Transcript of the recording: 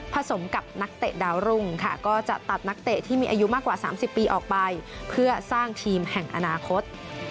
สมกับนักเตะดาวรุ่งค่ะก็จะตัดนักเตะที่มีอายุมากกว่า๓๐ปีออกไปเพื่อสร้างทีมแห่งอนาคต